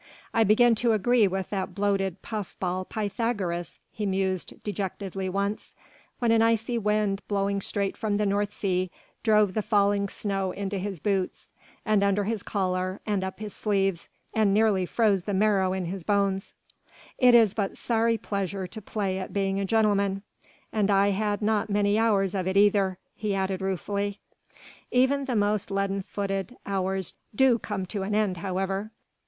"I begin to agree with that bloated puff ball Pythagoras," he mused dejectedly once, when an icy wind, blowing straight from the North Sea, drove the falling snow into his boots, and under his collar, and up his sleeves, and nearly froze the marrow in his bones, "it is but sorry pleasure to play at being a gentleman. And I had not many hours of it either," he added ruefully. Even the most leaden footed hours do come to an end however.